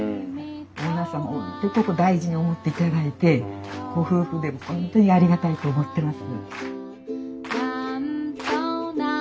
オーナーさんも本当にここ大事に思っていただいてご夫婦で本当にありがたいと思ってます。